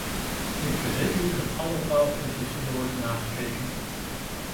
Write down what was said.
Ik verzeker u dat alle taalversies zullen worden nagekeken.